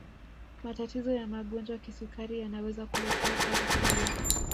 matatizo ya magonjwa kisukari yanaweza kuleta hatari kubwa